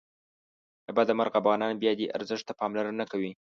له بده مرغه افغانان بیا دې ارزښت ته پاملرنه نه کوي.